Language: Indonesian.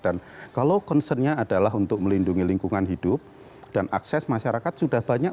dan kalau concernnya adalah untuk melindungi lingkungan hidup dan akses masyarakat sudah banyak